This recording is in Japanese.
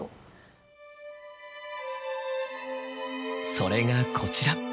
それがこちら。